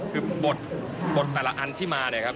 คือบทบทแต่ละอันที่มานะครับ